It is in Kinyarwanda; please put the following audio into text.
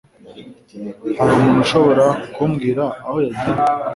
Hari umuntu ushobora kumbwira aho yagiye?